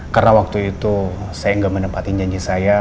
karena waktu itu saya tidak menempatkan janji saya